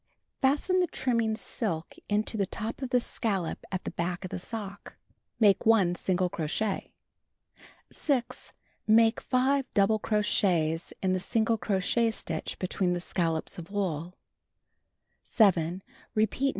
Fasten the trimming silk into the top of the scallop at the back of the sock. Make 1 single crochet. 6. Make 5 double crochets in the single crochet stitch between the scallops of wool. 7. Repeat No.